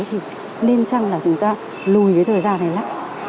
thì nên chăng là chúng ta lùi cái thời gian này lại